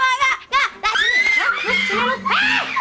eh kamu tuh hei